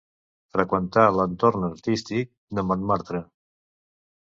Freqüentà l'entorn artístic de Montmartre.